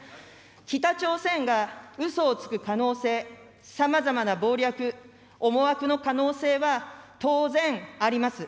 北朝鮮がうそをつく可能性、さまざまな謀略、思惑の可能性は、当然あります。